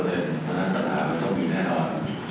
เพราะฉะนั้นปัญหามันต้องมีแน่นอน